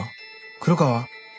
黒川？